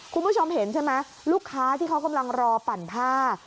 คุณผู้ชมเห็นใช่ไหมลูกค้าที่เขากำลังรอปั่นผ้า